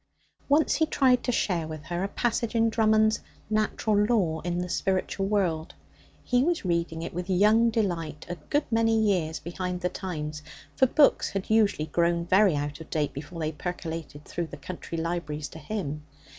Once he tried to share with her a passage in Drummond's 'Natural Law in the Spiritual World.' He was reading it with young delight a good many years behind the times, for books had usually grown very out of date before they percolated through the country libraries to him.